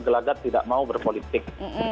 pelagat tidak mau berpolitik